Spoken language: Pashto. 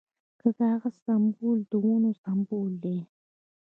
د کاغذ سپمول د ونو سپمول دي